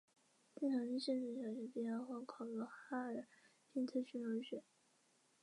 整体设备效率可应用于工厂的生产线或独立的部门。